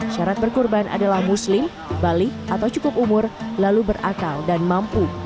syarat berkurban adalah muslim balik atau cukup umur lalu berakal dan mampu